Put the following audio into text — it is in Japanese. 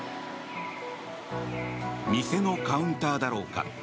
店のカウンターだろうか。